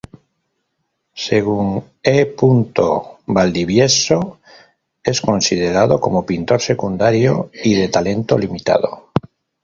Según E. Valdivieso, es considerado como pintor secundario y de talento limitado.